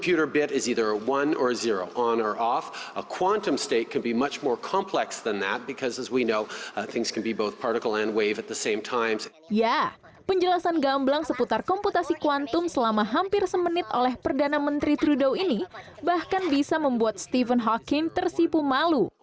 penjelasan gamblang seputar komputasi kuantum selama hampir semenit oleh perdana menteri trudeau ini bahkan bisa membuat stephen hakim tersipu malu